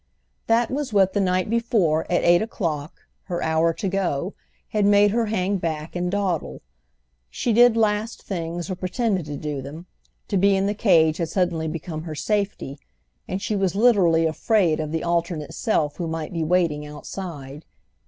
That was what the night before, at eight o'clock, her hour to go, had made her hang back and dawdle. She did last things or pretended to do them; to be in the cage had suddenly become her safety, and she was literally afraid of the alternate self who might be waiting outside.